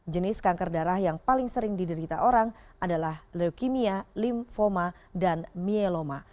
jenis kanker darah yang paling sering diderita orang adalah leukemia lymphoma dan myeloma